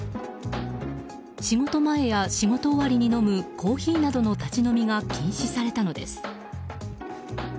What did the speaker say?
仕事前や仕事終わりに飲むコーヒーなどの立ち飲みが禁止されたのです。